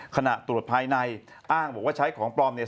ขณะตรวจภายในอ้างบอกว่าใช้ของปลอมเนี่ย